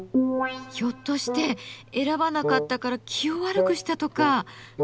ひょっとして選ばなかったから気を悪くしたとか？